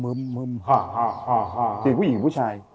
คือผู้หญิงหรือผู้ชาย